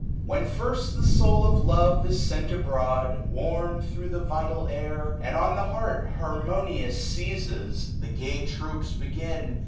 When first the soul of love is fent abroad, Warm thro' the vital air, and on the heart 58^ Harmonious seizes ; the gay troops begin.